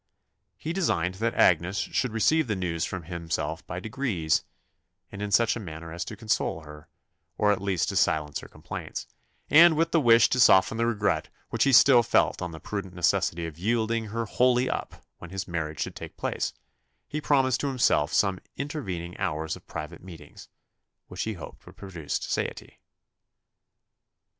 He designed that Agnes should receive the news from himself by degrees, and in such a manner as to console her, or at least to silence her complaints; and with the wish to soften the regret which he still felt on the prudent necessity of yielding her wholly up when his marriage should take place, he promised to himself some intervening hours of private meetings, which he hoped would produce satiety.